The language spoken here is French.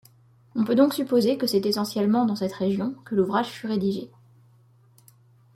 On peut donc supposer que c’est essentiellement dans cette région que l’ouvrage fut rédigé.